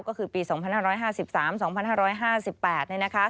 ก็คือปี๒๕๕๓๒๕๕๘นะครับ